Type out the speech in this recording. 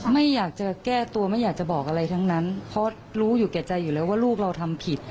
ไม่อยากจะแก้ตัวไม่อยากจะบอกอะไรทั้งนั้นเพราะรู้อยู่แก่ใจอยู่แล้วว่าลูกเราทำผิด